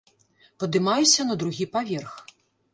Падымаюся на другі паверх.